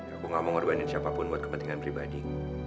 aku nggak mau ngorbanin siapapun buat kepentingan pribadi